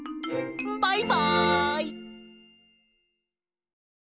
バイバイ！